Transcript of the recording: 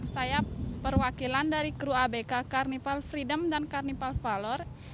saya perwakilan dari kru abk carnival freedom dan carnival valor